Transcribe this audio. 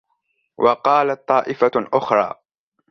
وَقَالَتْ طَائِفَةٌ أُخْرَى